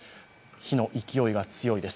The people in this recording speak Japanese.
火の勢いが強いです。